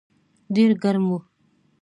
ډېر ګرم و.